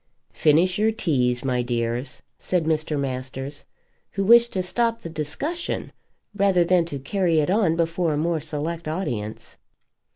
"Finish your teas, my dears," said Mr. Masters, who wished to stop the discussion rather than to carry it on before a more select audience.